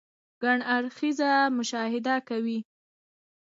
ګڼ اړخيزه مشاهده کوئ -